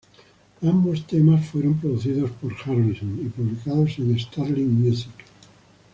Ambos temas fueron producidos por Harrison y publicados en Startling Music.